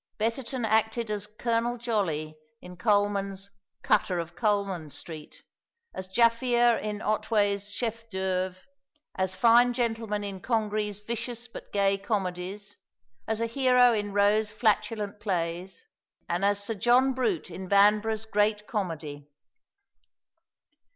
Betterton acted as Colonel Jolly in Colman's "Cutter of Coleman Street," as Jaffier in Otway's chef d'œuvre, as fine gentlemen in Congreve's vicious but gay comedies, as a hero in Rowe's flatulent plays, and as Sir John Brute in Vanbrugh's great comedy.